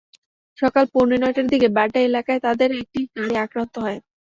সকাল পৌনে নয়টার দিকে বাড্ডা এলাকায় তাঁদের একটি গাড়ি আক্রান্ত হয়।